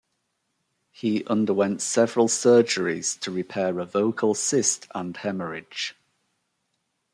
He underwent several surgeries to repair a vocal cyst and hemorrhage.